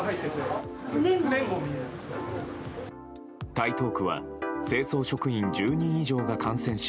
台東区は清掃職員１０人以上が感染し